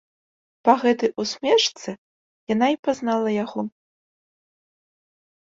Па гэтай усмешцы яна і пазнала яго.